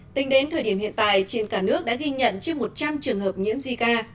tính đến thời điểm hiện tại trên cả nước đã ghi nhận trên một trăm linh trường hợp nhiễm zika